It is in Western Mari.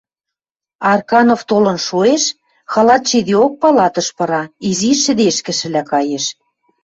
Арканов толын шоэш, халат чидеок, палатыш пыра, изиш шӹдешкӹшӹлӓ каеш.